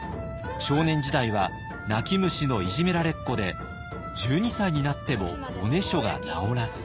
少年時代は泣き虫のいじめられっ子で１２歳になってもおねしょが治らず。